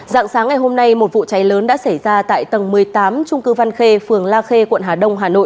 dạng sáng ngày hôm nay một vụ cháy lớn đã xảy ra tại tầng một mươi tám trung cư văn khê phường la khê quận hà đông hà nội